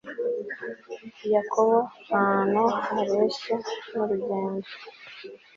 yakobo ahantu hareshya n urugendo